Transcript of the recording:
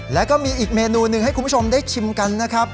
แล้วก็มีอีกเมนูหนึ่งให้คุณผู้ชมได้ชิมกันนะครับ